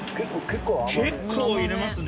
結構入れますね。